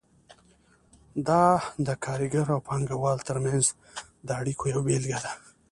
دا د کارګر او پانګه وال ترمنځ د اړیکو یوه بیلګه ده.